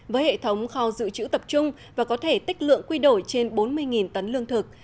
với hệ thống kho dự trữ tập trung và có thể tích lượng quy đổi trên bốn mươi tấn lương thực